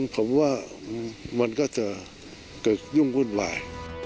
ผมว่ามันก็จะเกิดยุ่งวุ่นวาย